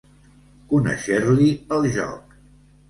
Conèixer-li el joc.